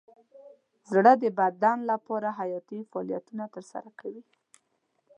زړه د بدن لپاره حیاتي فعالیتونه ترسره کوي.